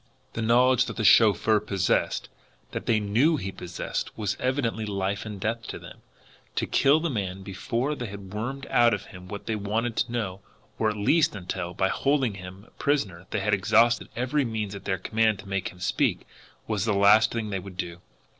The knowledge that the chauffeur possessed, that they KNEW he possessed, was evidently life and death to them. To kill the man before they had wormed out of him what they wanted to know, or, at least, until, by holding him a prisoner, they had exhausted every means at their command to make him speak, was the last thing they would do!